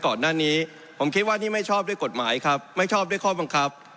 ก่อนหน้านี้ผมคิดว่านี่ไม่ชอบด้วยกฎหมายครับไม่ชอบด้วยข้อบังคับ